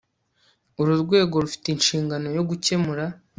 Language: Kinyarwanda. Uru rwego rufite inshingano yo gukemura